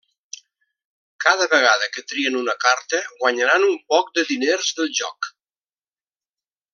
Cada vegada que trien una carta guanyaran un poc de diners del joc.